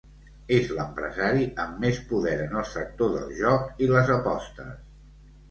És l’empresari amb més poder en el sector del joc i les apostes.